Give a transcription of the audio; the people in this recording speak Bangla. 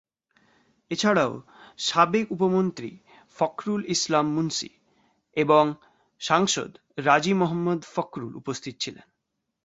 এছাড়াও সাবেক উপমন্ত্রী ফখরুল ইসলাম মুন্সী এবং সাংসদ রাজী মোহাম্মদ ফখরুল উপস্থিত ছিলেন।